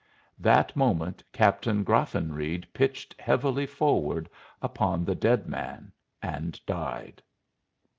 That moment Captain Graffenreid pitched heavily forward upon the dead man and died.